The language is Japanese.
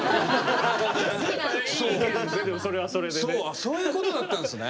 あそういうことだったんですね。